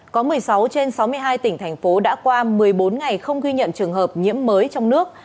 có một mươi sáu trên sáu mươi hai tỉnh thành phố đã qua một mươi bốn ngày không ghi nhận trường hợp nhiễm mới trong nước